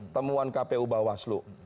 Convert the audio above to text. temuan kpu bawaslu